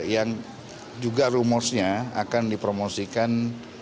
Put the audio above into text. yang juga rumusnya akan dipromosikan